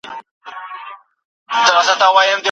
تاسي په خپلو مادي وسايلو باندي ډډه ولګوئ.